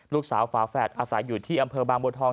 ลูกสาวฝาแฟดอาศัยอยู่ที่อำเภอบางบทอง